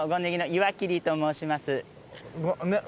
岩切と申します。